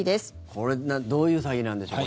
これどういう詐欺なんでしょうか。